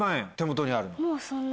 もうそんな。